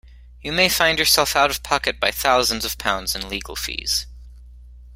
You may find yourself out of pocket by thousands of pounds in legal fees.